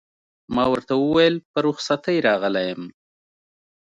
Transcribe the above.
ما ورته وویل: په رخصتۍ راغلی یم.